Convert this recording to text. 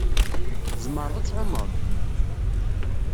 Tzemreḍ ad tɛumeḍ?